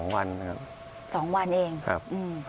๒วันครับ